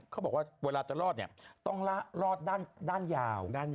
เขาบอกว่าเวลาจะรอดเนี่ยต้องรอดด้านยาว